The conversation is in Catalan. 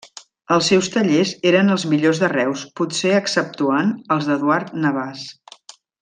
Els seus tallers eren els millors de Reus, potser exceptuant els d'Eduard Navàs.